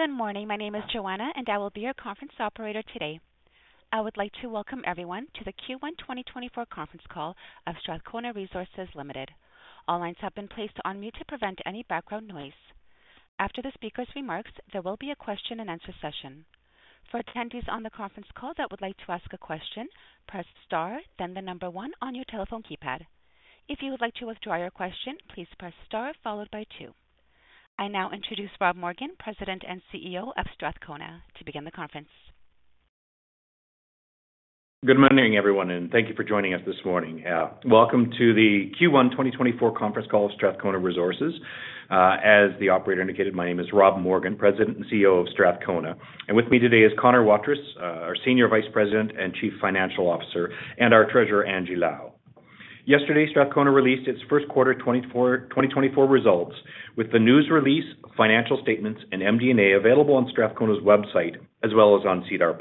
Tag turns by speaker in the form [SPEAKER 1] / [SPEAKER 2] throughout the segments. [SPEAKER 1] Good morning, my name is Joanna and I will be your conference operator today. I would like to welcome everyone to the Q1 2024 conference call of Strathcona Resources Limited. All lines have been placed on mute to prevent any background noise. After the speaker's remarks, there will be a question-and-answer session. For attendees on the conference call that would like to ask a question, press star, then the number one on your telephone keypad. If you would like to withdraw your question, please press star followed by two. I now introduce Rob Morgan, President and CEO of Strathcona, to begin the conference.
[SPEAKER 2] Good morning, everyone, and thank you for joining us this morning. Welcome to the Q1 2024 conference call of Strathcona Resources. As the operator indicated, my name is Rob Morgan, President and CEO of Strathcona, and with me today is Connor Waterous, our Senior Vice President and Chief Financial Officer, and our Treasurer, Angie Lau. Yesterday, Strathcona released its first quarter 2024 results, with the news release, financial statements, and MD&A available on Strathcona's website as well as on SEDAR+.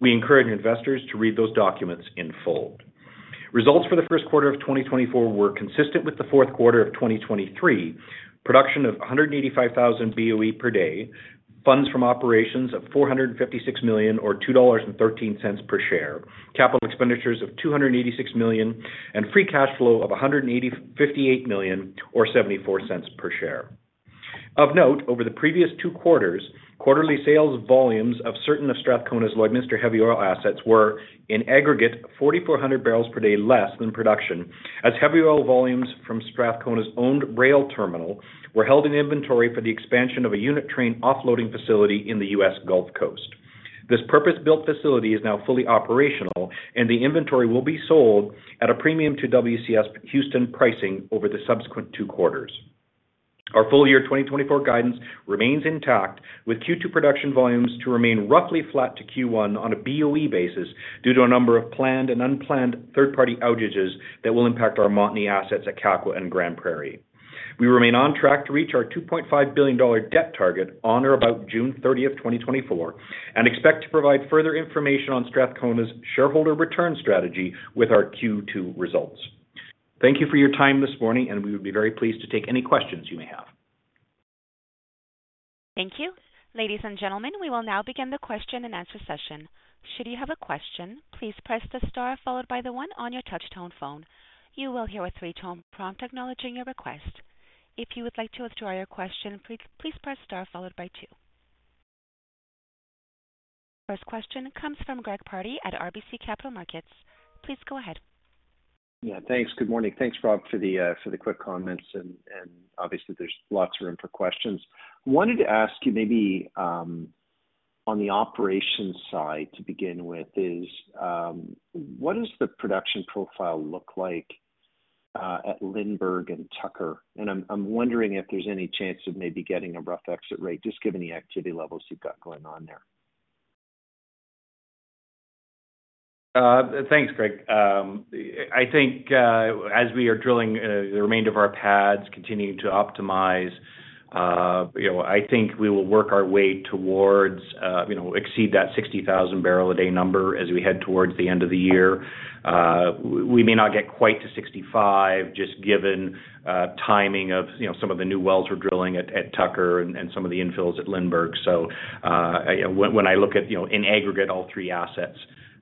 [SPEAKER 2] We encourage investors to read those documents in full. Results for the first quarter of 2024 were consistent with the fourth quarter of 2023: production of 185,000 BOE per day, funds from operations of CAD 456 million or CAD 2.13 per share, capital expenditures of CAD 286 million, and free cash flow of CAD 158 million or 0.74 per share. Of note, over the previous two quarters, quarterly sales volumes of certain of Strathcona's Lloydminster heavy oil assets were, in aggregate, 4,400 barrels per day less than production, as heavy oil volumes from Strathcona's owned rail terminal were held in inventory for the expansion of a unit train offloading facility in the U.S. Gulf Coast. This purpose-built facility is now fully operational, and the inventory will be sold at a premium to WCS Houston pricing over the subsequent two quarters. Our full year 2024 guidance remains intact, with Q2 production volumes to remain roughly flat to Q1 on a BOE basis due to a number of planned and unplanned third-party outages that will impact our Montney assets at Kakwa and Grande Prairie. We remain on track to reach our 2.5 billion dollar debt target on or about June 30, 2024, and expect to provide further information on Strathcona's shareholder return strategy with our Q2 results. Thank you for your time this morning, and we would be very pleased to take any questions you may have.
[SPEAKER 1] Thank you. Ladies and gentlemen, we will now begin the question-and-answer session. Should you have a question, please press the star followed by the one on your touch-tone phone. You will hear a three-tone prompt acknowledging your request. If you would like to withdraw your question, please press star followed by two. First question comes from Greg Pardy at RBC Capital Markets. Please go ahead.
[SPEAKER 3] Yeah, thanks. Good morning. Thanks, Rob, for the quick comments, and obviously, there's lots of room for questions. I wanted to ask you maybe on the operations side to begin with is, what does the production profile look like at Lindbergh and Tucker? And I'm wondering if there's any chance of maybe getting a rough exit rate. Just give any activity levels you've got going on there.
[SPEAKER 2] Thanks, Greg. I think as we are drilling the remainder of our pads, continuing to optimize, I think we will work our way towards exceed that 60,000 barrel a day number as we head towards the end of the year. We may not get quite to 65, just given timing of some of the new wells we're drilling at Tucker and some of the infills at Lindbergh. So when I look at, in aggregate, all three assets,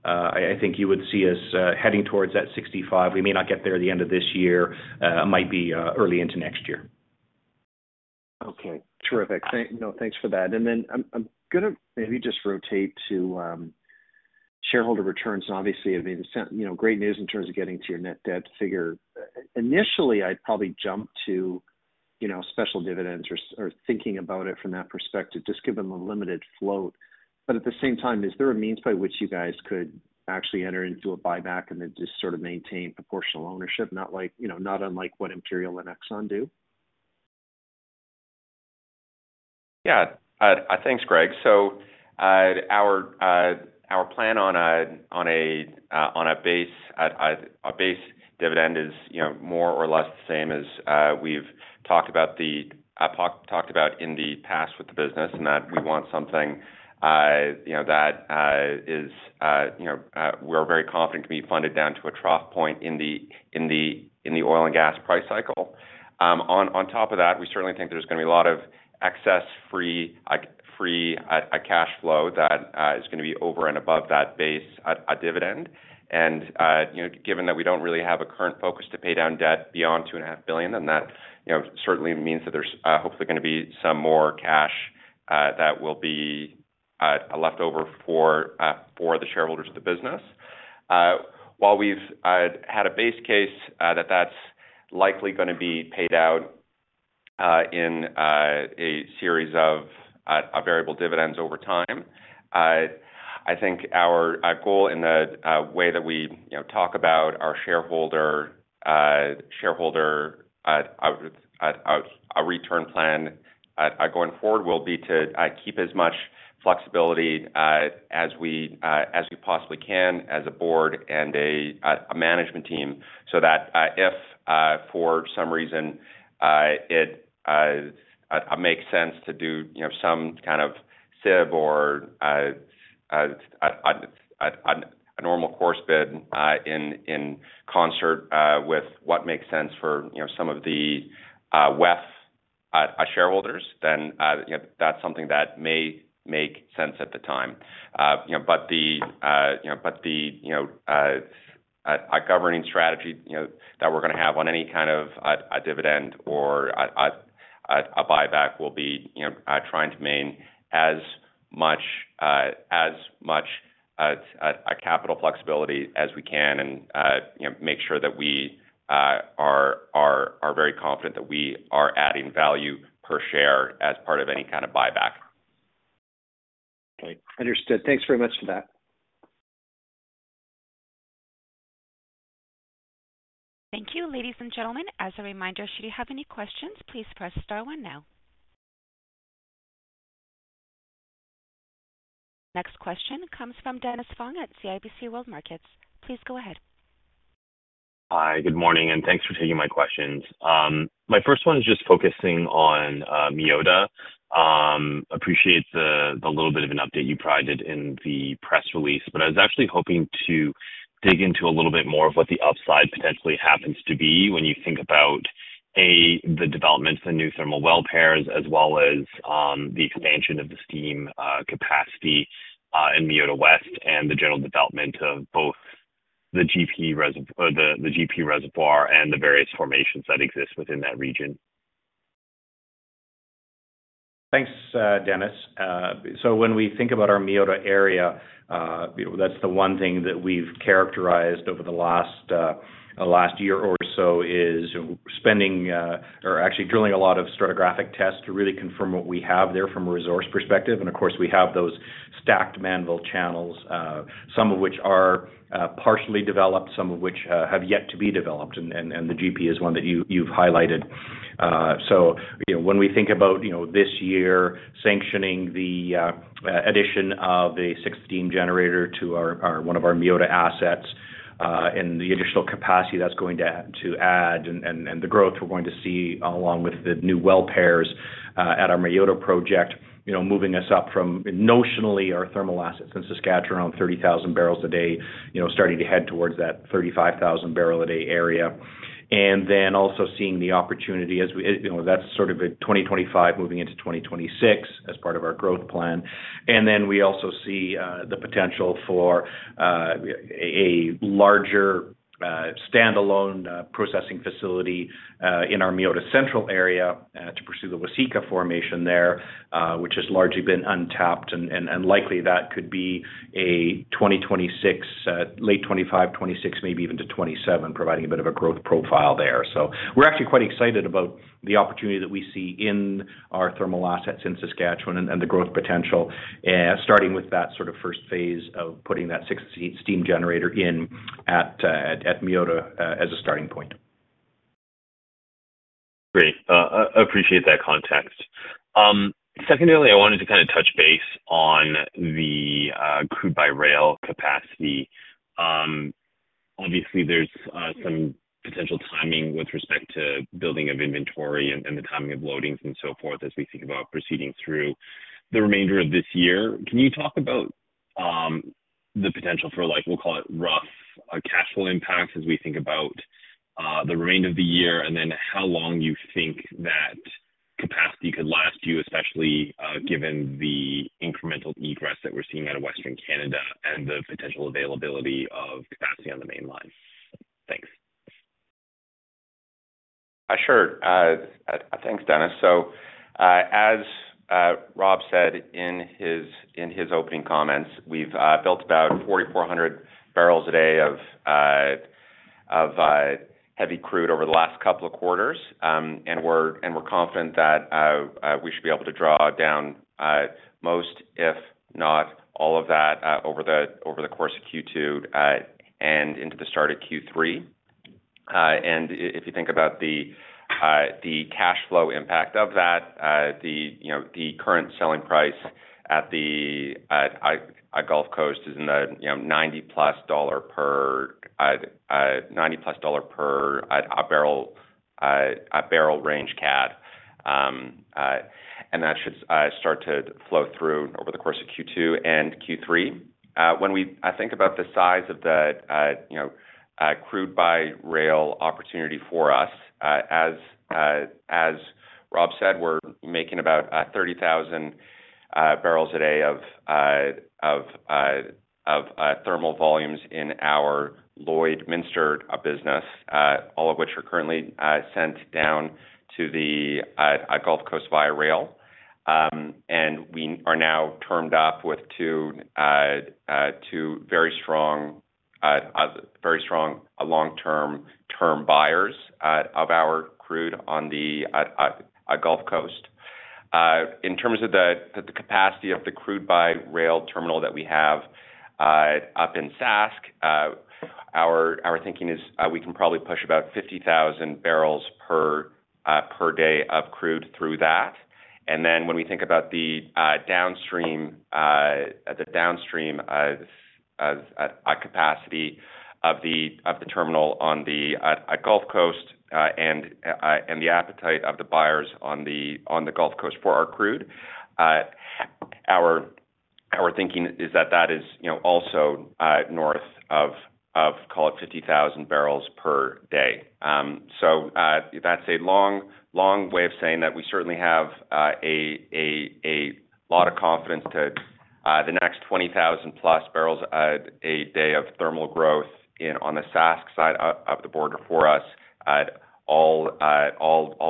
[SPEAKER 2] I think you would see us heading towards that 65. We may not get there at the end of this year. It might be early into next year.
[SPEAKER 3] Okay. Terrific. No, thanks for that. And then I'm going to maybe just rotate to shareholder returns. And obviously, I mean, great news in terms of getting to your net debt figure. Initially, I'd probably jump to special dividends or thinking about it from that perspective, just given the limited float. But at the same time, is there a means by which you guys could actually enter into a buyback and then just sort of maintain proportional ownership, not unlike what Imperial and Exxon do?
[SPEAKER 2] Yeah. Thanks, Greg. So our plan on a base dividend is more or less the same as we've talked about in the past with the business, in that we want something that is we're very confident can be funded down to a trough point in the oil and gas price cycle. On top of that, we certainly think there's going to be a lot of excess free cash flow that is going to be over and above that base dividend. And given that we don't really have a current focus to pay down debt beyond 2.5 billion, then that certainly means that there's hopefully going to be some more cash that will be left over for the shareholders of the business. While we've had a base case that that's likely going to be paid out in a series of variable dividends over time, I think our goal in the way that we talk about our shareholder return plan going forward will be to keep as much flexibility as we possibly can as a board and a management team so that if for some reason it makes sense to do some kind of SIB or a normal course bid in concert with what makes sense for some of the WEF shareholders, then that's something that may make sense at the time. But the governing strategy that we're going to have on any kind of dividend or a buyback will be trying to maintain as much capital flexibility as we can and make sure that we are very confident that we are adding value per share as part of any kind of buyback.
[SPEAKER 3] Okay. Understood. Thanks very much for that.
[SPEAKER 1] Thank you, ladies and gentlemen. As a reminder, should you have any questions, please press star 1 now. Next question comes from Dennis Fong at CIBC World Markets. Please go ahead.
[SPEAKER 4] Hi. Good morning, and thanks for taking my questions. My first one is just focusing on Meota. Appreciate the little bit of an update you provided in the press release, but I was actually hoping to dig into a little bit more of what the upside potentially happens to be when you think about the development of the new thermal well pairs as well as the expansion of the steam capacity in Meota West and the general development of both the GP reservoir and the various formations that exist within that region.
[SPEAKER 2] Thanks, Dennis. So when we think about our Meota area, that's the one thing that we've characterized over the last year or so is spending or actually drilling a lot of stratigraphic tests to really confirm what we have there from a resource perspective. And of course, we have those stacked Mannville channels, some of which are partially developed, some of which have yet to be developed, and the GP is one that you've highlighted. So when we think about this year sanctioning the addition of a six steam generator to one of our Meota assets and the additional capacity that's going to add and the growth we're going to see along with the new well pairs at our Meota project, moving us up from notionally our thermal assets in Saskatchewan on 30,000 barrels a day, starting to head towards that 35,000 barrel a day area, and then also seeing the opportunity as that's sort of a 2025 moving into 2026 as part of our growth plan. And then we also see the potential for a larger standalone processing facility in our Meota Central area to pursue the Waseca formation there, which has largely been untapped, and likely that could be a late 2025, 2026, maybe even to 2027, providing a bit of a growth profile there. So we're actually quite excited about the opportunity that we see in our thermal assets in Saskatchewan and the growth potential, starting with that sort of first phase of putting that six-steam generator in at Meota as a starting point.
[SPEAKER 4] Great. I appreciate that context. Secondarily, I wanted to kind of touch base on the crude-by-rail capacity. Obviously, there's some potential timing with respect to building of inventory and the timing of loadings and so forth as we think about proceeding through the remainder of this year. Can you talk about the potential for, we'll call it, rough cash flow impacts as we think about the remainder of the year, and then how long you think that capacity could last you, especially given the incremental egress that we're seeing out of Western Canada and the potential availability of capacity on the mainline? Thanks.
[SPEAKER 2] Sure. Thanks, Dennis. So as Rob said in his opening comments, we've built about 4,400 barrels a day of heavy crude over the last couple of quarters, and we're confident that we should be able to draw down most, if not all of that, over the course of Q2 and into the start of Q3. And if you think about the cash flow impact of that, the current selling price at the Gulf Coast is in the 90+ dollar per barrel range, and that should start to flow through over the course of Q2 and Q3. When we think about the size of the crude-by-rail opportunity for us, as Rob said, we're making about 30,000 barrels a day of thermal volumes in our Lloydminster business, all of which are currently sent down to the Gulf Coast via rail. We are now termed up with two very strong long-term term buyers of our crude on the Gulf Coast. In terms of the capacity of the crude-by-rail terminal that we have up in SASK, our thinking is we can probably push about 50,000 barrels per day of crude through that. And then when we think about the downstream capacity of the terminal on the Gulf Coast and the appetite of the buyers on the Gulf Coast for our crude, our thinking is that that is also north of, call it, 50,000 barrels per day. That's a long way of saying that we certainly have a lot of confidence to the next 20,000+ barrels a day of thermal growth on the SASK side of the border for us, all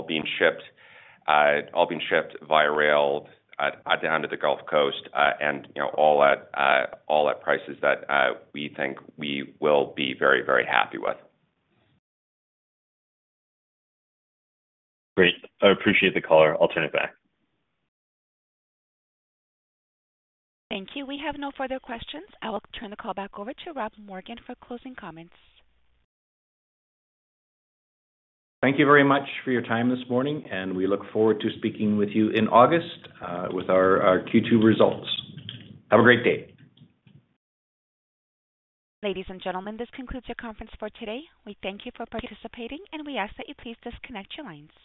[SPEAKER 2] being shipped via rail down to the Gulf Coast and all at prices that we think we will be very, very happy with.
[SPEAKER 4] Great. I appreciate the caller. I'll turn it back.
[SPEAKER 1] Thank you. We have no further questions. I will turn the call back over to Rob Morgan for closing comments.
[SPEAKER 2] Thank you very much for your time this morning, and we look forward to speaking with you in August with our Q2 results. Have a great day.
[SPEAKER 1] Ladies and gentlemen, this concludes our conference for today. We thank you for participating, and we ask that you please disconnect your lines.